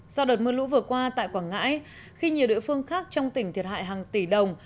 sau đợt mưa lũ vừa qua tại quảng ngãi khi nhiều địa phương khác trong tỉnh thiệt hại hàng tỷ đồng